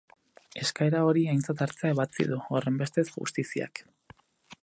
Eskaera hori aintzat hartzea ebatzi du, horrenbestez, justiziak.